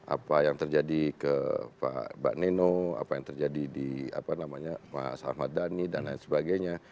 apa yang terjadi ke mbak neno apa yang terjadi di mas ahmad dhani dan lain sebagainya